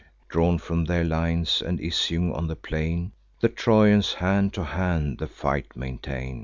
Drawn from their lines, and issuing on the plain, The Trojans hand to hand the fight maintain.